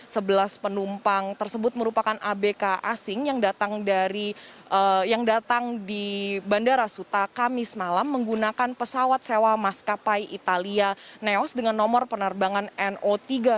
sebelas penumpang tersebut merupakan abk asing yang datang di bandara suta kamis malam menggunakan pesawat sewa maskapai italia neos dengan nomor penerbangan no tiga ratus dua puluh